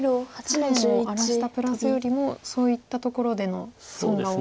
左辺を荒らしたプラスよりもそういったところでの損が大きいと。